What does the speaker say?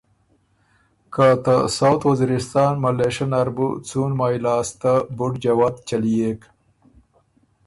که ته ساؤتھ وزیرِستان ملېشۀ نر بُو څُون مای لاسته بُډ جوت چلئېک